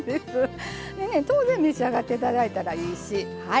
当然、召し上がってもらったらいいし。